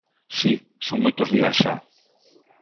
Si son moitos días xa.